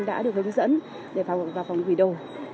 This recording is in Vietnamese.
đã được hướng dẫn để vào phòng gửi đồ